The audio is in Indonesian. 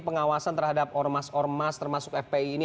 pengawasan terhadap ormas ormas termasuk fpi ini